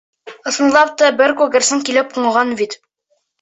Ысынлап та бер күгәрсен килеп ҡунған икән.